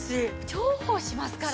重宝しますから。